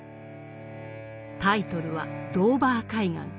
タイトルは「ドーヴァー海岸」。